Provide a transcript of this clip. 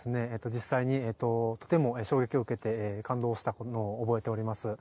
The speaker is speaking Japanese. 実際にとても衝撃を受けて感動したことを覚えております。